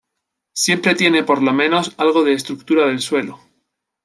Siempre tiene por lo menos algo de estructura del suelo.